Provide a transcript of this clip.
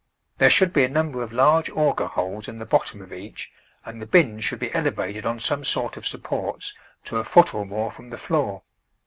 There should be a number of large auger holes in the bottom of each and the bins should be elevated on some sort of supports to a foot or more from the floor.